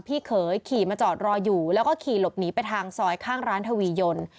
พี่เขยขี่มาจอดรออยู่แล้วก็ขี่หลบหนีไปทางซอยข้างร้านทวียน